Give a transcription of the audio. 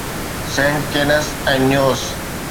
saint Kitts ۽ Nevis